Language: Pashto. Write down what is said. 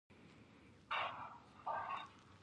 د فراه په پرچمن کې د وسپنې نښې شته.